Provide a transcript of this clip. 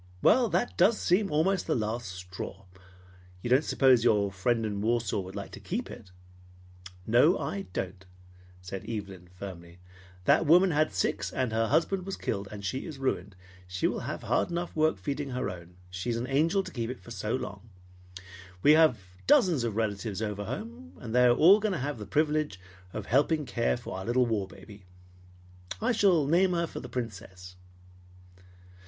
Well, that does seem almost the last straw! You don't suppose your friend in Warsaw would like to keep it?" "No, I don't," said Evelyn firmly. "That woman has six, and her husband was killed, and she is ruined. She will have hard enough work feeding her own. She is an angel to keep it so, long. We have dozens of relatives over home, and they are all going to have the privilege of helping to care for our little war baby. I shall name her for the Princess."